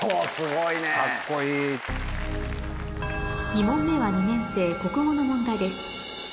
２問目は２年生国語の問題です